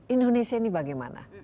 indonesia ini bagaimana